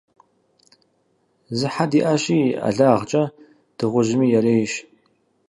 Зы хьэ диӀэщи, и ӀэлагъкӀэ дыгъужьми ярейщ.